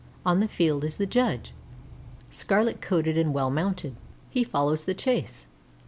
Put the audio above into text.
On the field is the judge, scarlet coated and well mounted. He follows the chase.